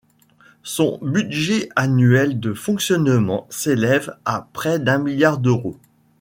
Son budget annuel de fonctionnement s'élève à près d'un milliard d'euros.